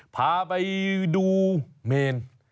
พาไปดูเมน